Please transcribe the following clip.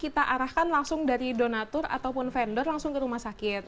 kita arahkan langsung dari donatur ataupun vendor langsung ke rumah sakit